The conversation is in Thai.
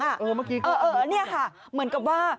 เออเมื่อกี้ก็เหมือนเหมือนกันนี่ค่ะเหมือนกับว่า